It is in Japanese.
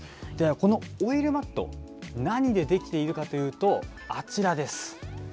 このオイルマット、何で出来ているかというと、あちらです。